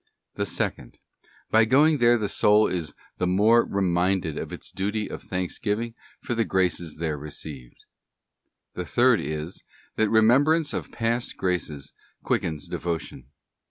The second, by going there the soul is the more reminded of its duty of thanksgiving for the graces there received. The third is, that remembrance of past graces quickens devotion.